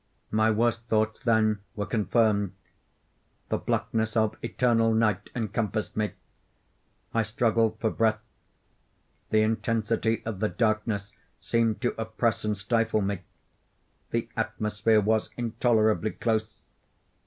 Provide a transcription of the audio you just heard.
My worst thoughts, then, were confirmed. The blackness of eternal night encompassed me. I struggled for breath. The intensity of the darkness seemed to oppress and stifle me. The atmosphere was intolerably close.